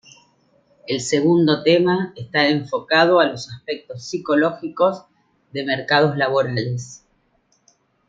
El segundo tema está enfocado a los aspectos psicológicos de mercados laborales.